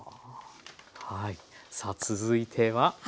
さあ続いては。